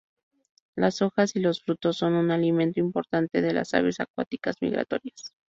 Las hojas y los frutos son un alimento importante de las aves acuáticas migratorias.